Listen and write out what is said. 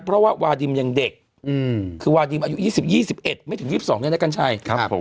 เพราะวาดิมยังเด็กคือวาดิมอายุ๒๐๒๑ไม่ถึง๒๒นี้ได้กันใช่